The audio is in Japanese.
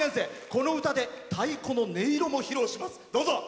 この歌で太鼓の音色を披露します。